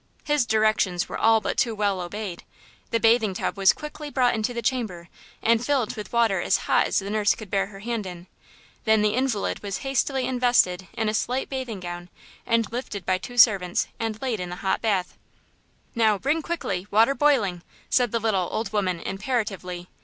His directions were all but too well obeyed. The bathing tub was quickly brought into the chamber and filled with water as hot as the nurse could bear her hand in, then the invalid was hastily invested in a slight bathing gown and lifted by two servants and laid in the hot bath. "Now, bring quickly, water boiling," said the little, old woman, imperatively.